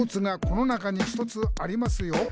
「この中に１つありますよ！」